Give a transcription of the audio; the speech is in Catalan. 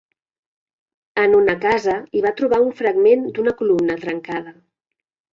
En una casa hi va trobar un fragment d'una columna trencada.